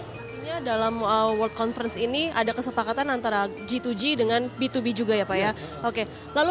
artinya dalam world conference ini ada kesepakatan antara g dua g dengan b dua b juga ya pak ya oke lalu